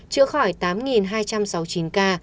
chữa khỏi tám hai trăm sáu mươi chín ca